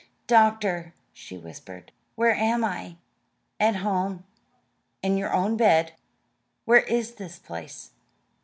"Doctor," she whispered, "where am I?" "At home, in your own bed." "Where is this place?"